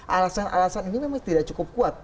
alasan alasan ini memang tidak cukup kuat